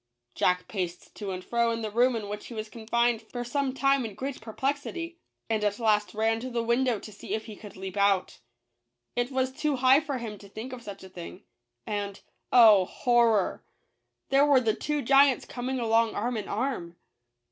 Jack paced to and fro in the room in which he was con fined for some time in great perplexity, and at last ran to the 171 JACK THE GIANT KILLER. window to see if he could leap out. It was too high for him to think of such a thing; and — oh, horror! — there were the two giants coming along arm in arm.